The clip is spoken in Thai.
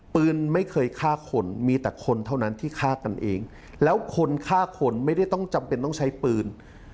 ไม่เคยฆ่าคนมีแต่คนเท่านั้นที่ฆ่ากันเองแล้วคนฆ่าคนไม่ได้ต้องจำเป็นต้องใช้ปืน